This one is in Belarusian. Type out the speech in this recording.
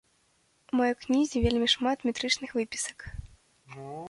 У маёй кнізе вельмі шмат метрычных выпісак.